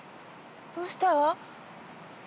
どうした？